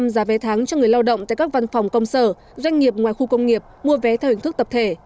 năm mươi giá vé tháng cho người lao động tại các văn phòng công sở doanh nghiệp ngoài khu công nghiệp mua vé theo hình thức tập thể